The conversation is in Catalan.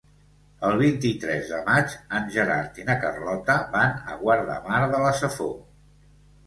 El vint-i-tres de maig en Gerard i na Carlota van a Guardamar de la Safor.